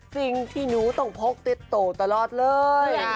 สิ่งที่หนูต้องพกติดโตตลอดเลย